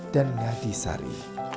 dan ngadi sari